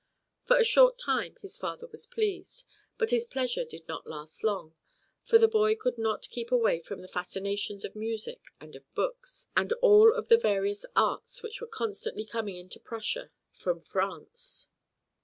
For a short time his father was pleased, but his pleasure did not last long; for the boy could not keep away from the fascinations of music and of books, and all of the various arts which were constantly coming into Prussia from France.